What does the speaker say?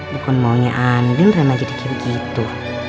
bukan maunya andin reyna jadi kayak begitu